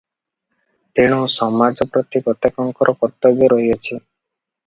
ତେଣୁ ସମାଜ ପ୍ରତି ପ୍ରତ୍ୟେକଙ୍କର କର୍ତ୍ତବ୍ୟ ରହିଅଛି ।